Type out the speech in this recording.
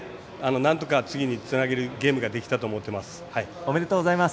なんとか次につながるゲームができたと思っています。